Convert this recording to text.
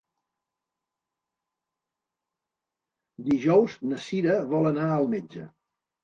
Dijous na Cira vol anar al metge.